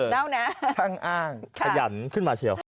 สบเต้านะขยันขึ้นมาเชียว